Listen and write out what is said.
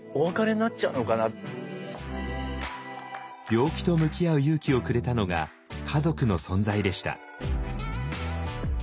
病気と向き合う勇気をくれたのが家族の存在でした。